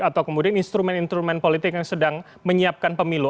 atau kemudian instrumen instrumen politik yang sedang menyiapkan pemilu